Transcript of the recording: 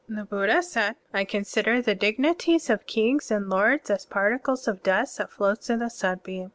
(42) The Buddha said: "I consider the dig nities of kings and lords as a particle of dust that floats in the sunbeam.